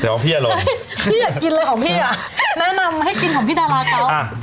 เดี๋ยวพี่อารมณ์พี่อยากกินอะไรของพี่อ่ะแนะนำให้กินของพี่ดาราเขาอ่ะ